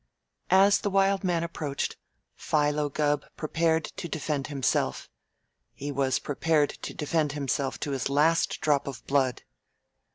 As the Wild Man approached, Philo Gubb prepared to defend himself. He was prepared to defend himself to his last drop of blood.